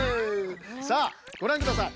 さあごらんください